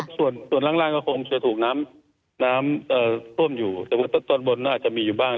ส่วนล่างก็คงจะถูกน้ำต้มอยู่ส่วนบนอาจจะมีอยู่บ้าง